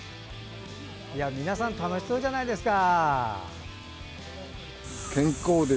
皆さん楽しそうじゃないですか。